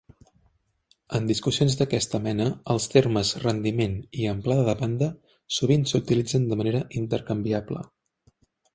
En discussions d'aquesta mena els termes "rendiment" i "amplada de banda" sovint s'utilitzen de manera intercanviable.